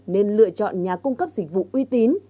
nên lựa chọn nhà cung cấp dịch vụ uy tín